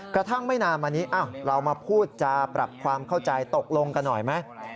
ไม่นานมานี้เรามาพูดจาปรับความเข้าใจตกลงกันหน่อยไหม